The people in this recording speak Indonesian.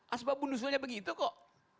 asbab bundusnya begitu kok